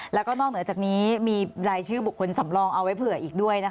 แล้วก็นอกเหนือจากนี้มีรายชื่อบุคคลสำรองเอาไว้เผื่ออีกด้วยนะคะ